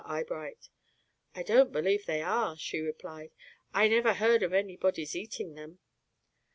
to Eyebright. "I don't believe they are," she replied. "I never heard of anybody's eating them."